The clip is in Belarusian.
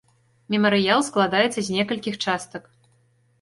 Мемарыял складаецца з некалькіх частак.